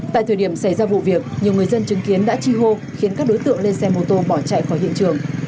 tại thời điểm xảy ra vụ việc nhiều người dân chứng kiến đã chi hô khiến các đối tượng lên xe mô tô bỏ chạy khỏi hiện trường